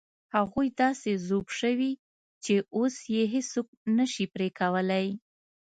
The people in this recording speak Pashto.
هغوی داسې ذوب شوي چې اوس یې هېڅوک نه شي پرې کولای.